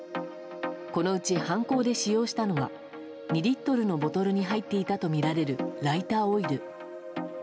このうち犯行で使用したのは２リットルのボトルに入っていたとみられるライターオイル。